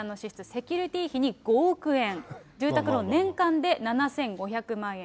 セキュリティー費に５億円、住宅ローン年間で７５００万円。